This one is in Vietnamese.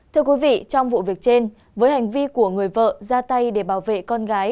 thưa quý vị trong vụ việc trên với hành vi của người vợ ra tay để bảo vệ con gái